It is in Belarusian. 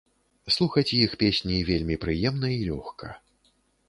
Слухаць іх песні вельмі прыемна і лёгка.